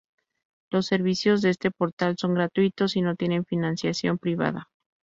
Los servicios de este portal son gratuitos y no tienen financiación privada.